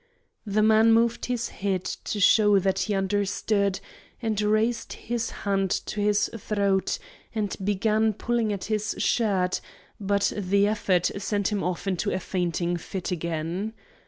The man moved his head to show that he understood, and raised his hand to his throat and began pulling at his shirt, but the effort sent him off into a fainting fit again.